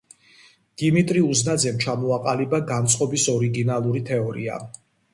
დიმიტრი უზნაძემ ჩამოაყალიბა განწყობის ორიგინალური თეორია.